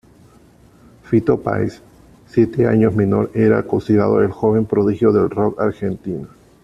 Fito Páez, siete años menor, era considerado el joven prodigio del rock argentino.